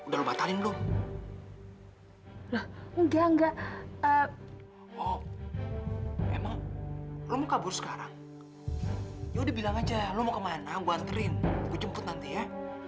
sampai jumpa di video selanjutnya